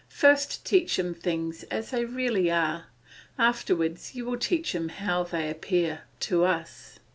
First teach him things as they really are, afterwards you will teach him how they appear to us.